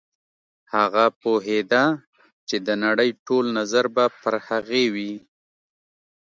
هغه پوهېده چې د نړۍ ټول نظر به پر هغې وي.